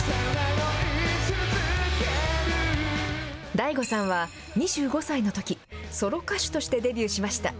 ＤＡＩＧＯさんは２５歳のとき、ソロ歌手としてデビューしました。